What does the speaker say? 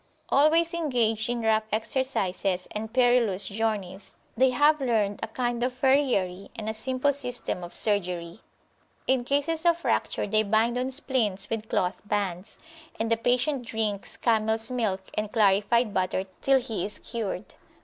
Always engaged in rough exercises and perilous journeys, they have learned a kind of farriery and a simple system of surgery. In cases of fracture they bind on splints with cloth bands, and the patient drinks camels milk and clarified butter till he is cured.